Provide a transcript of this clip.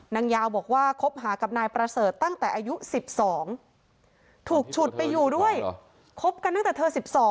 นางยาวบอกว่าคบหากับนายประเสริฐตั้งแต่อายุ๑๒ถูกฉุดไปอยู่ด้วยคบกันตั้งแต่เธอ๑๒